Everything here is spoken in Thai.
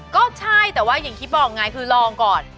ก็ใช่แต่ว่าอย่างที่บอกไงคือลองก่อน